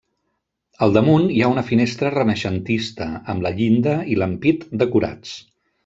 Al damunt hi ha una finestra renaixentista, amb la llinda i l'ampit decorats.